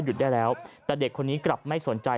ได้แล้วแต่เด็กคนนี้กลับไม่สนใจ